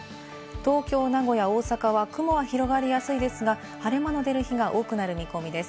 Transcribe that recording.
東京、名古屋、大阪は雲が広がりやすいですが、晴れ間の出る日が多くなる見込みです。